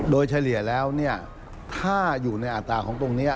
โดยเฉลี่ยแล้วเนี่ยถ้าอยู่ในอัตราของตรงนี้